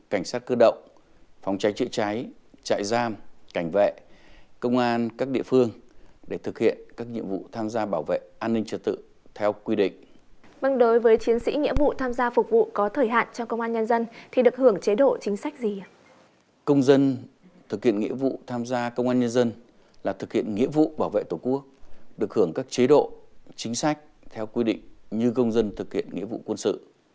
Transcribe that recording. công dân thực hiện nghĩa vụ tham gia công an nhân dân là thực hiện nghĩa vụ bảo vệ tổ quốc được hưởng các chế độ chính sách theo quy định như công dân thực hiện nghĩa vụ quân sự